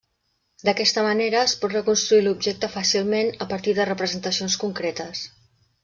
D'aquesta manera es pot reconstruir l'objecte fàcilment a partir de representacions concretes.